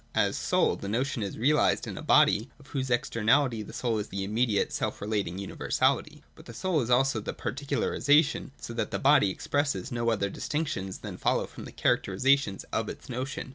As soul, the notion is realised in a body of whose externality the soul is the immediate self relating universahty. But the soul is also its particularisation, so that the body expresses no other distinctions than follow from the characterisations of its notion.